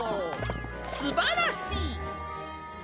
すばらしい！